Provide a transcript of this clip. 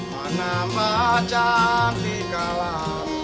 manama cantik alam